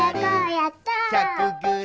やった！